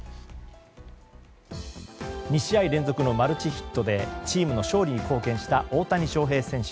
２試合連続のマルチヒットでチームの勝利に貢献した大谷翔平選手。